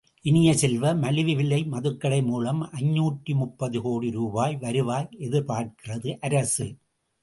இனிய செல்வ மலிவு விலை மதுக்கடை மூலம் ஐநூற்று முப்பது தோடி ரூபாய் வருவாய் எதிர்பார்க்கிறது அரசு.